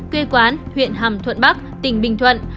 quê quán huyện hàm thuận bắc tỉnh bình thuận